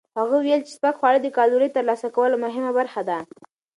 هغه وویل چې سپک خواړه د کالورۍ ترلاسه کولو مهمه برخه ده.